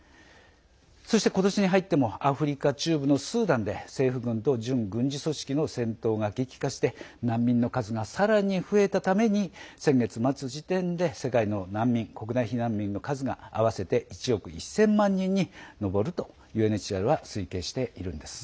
そして今年に入ってもアフリカ中部のスーダンで政府軍と準軍事組織との戦闘が激化して難民の数がさらに増えたために先月末時点で世界の難民の数が合わせて１億１０００万人に上るとＵＮＨＣＲは推計しています。